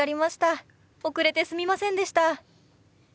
遅れてすみませんでした。